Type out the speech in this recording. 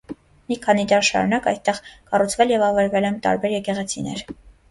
Մի քանի դար շարունակ այդտեղ կառուցվել և ավերվել են տարբեր եկեղեցիներ։